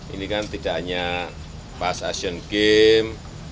ini kan tidak hanya past action game